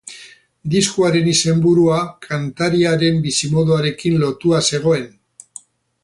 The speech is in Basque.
Diskoaren izenburua kantariaren bizimoduarekin lotua zegoen.